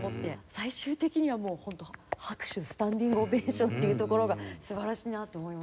最終的にはもう本当拍手スタンディングオベーションっていうところが素晴らしいなと思いました。